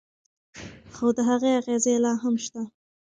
خو د هغې اغیزې لا هم شته.